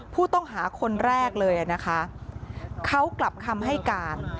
ผู้ต้องหาคนแรกเลยนะคะเขากลับคำให้การ